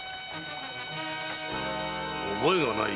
覚えがない？